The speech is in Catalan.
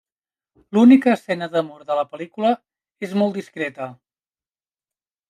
L'única escena d'amor de la pel·lícula és molt discreta.